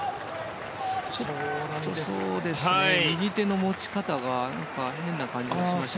右手の持ち方が変な感じがしました。